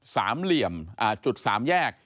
สามเหลี่ยมจุดสามแยก